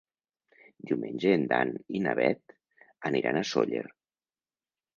Diumenge en Dan i na Bet aniran a Sóller.